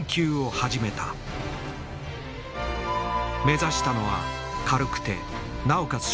目指したのは軽くてなおかつ